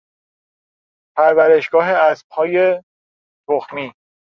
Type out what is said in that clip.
پرورشگاه اسبهای تخمی